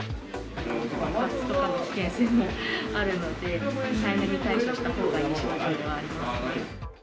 爆発とかの危険性もあるので、早めに対処したほうがいい症状ではありますね。